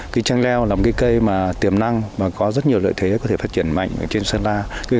cây chanh leo là một cây tiềm năng mà có rất nhiều lợi thế có thể phát triển mạnh trên sơn la